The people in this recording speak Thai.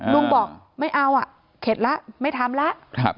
ลุงบอกไม่เอาอ่ะเข็ดแล้วไม่ทำแล้ว